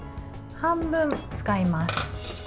半分使います。